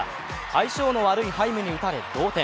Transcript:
相性の悪いハイムに打たれ、同点。